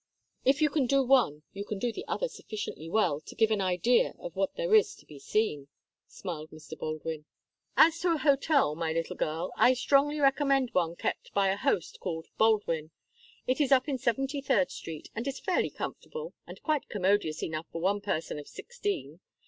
"If you can do one, you can do the other sufficiently well to give an idea of what there is to be seen," smiled Mr. Baldwin. "As to a hotel, my little girl, I strongly recommend one kept by a host called Baldwin. It is up in Seventy third Street, and is fairly comfortable, and quite commodious enough for one person of sixteen.